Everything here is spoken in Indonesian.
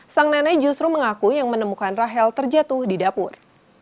sang nenek justru mengaku yang menemukan rahel terjatuh di dapur